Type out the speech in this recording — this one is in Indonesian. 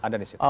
ada di situ